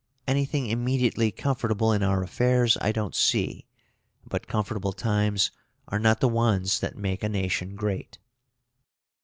Anything immediately comfortable in our affairs I don't see; but comfortable times are not the ones t hat make a nation great."